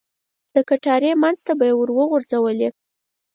د کټارې منځ ته به یې ور وغوځولې.